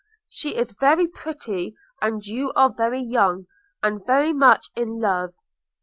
She is very pretty! and you are very young, and very much in love!